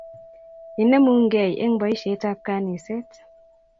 Inemu kei eng boishet ab kaniset